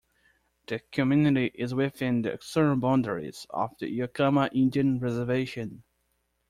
The community is within the external boundaries of the Yakama Indian Reservation.